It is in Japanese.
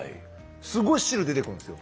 すごい汁出てくるんですよ。